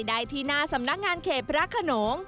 ได้ที่หน้าสำนักงานเขตพระขนง